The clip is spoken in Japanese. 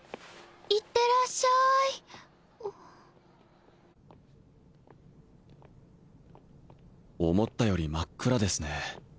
いってらっしゃい思ったより真っ暗ですね